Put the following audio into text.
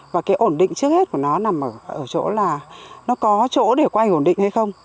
và cái ổn định trước hết của nó nằm ở chỗ là nó có chỗ để quay ổn định hay không